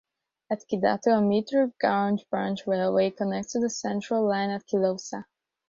At Kidatu, a metre gauge branch railway connects to the Central Line at Kilosa.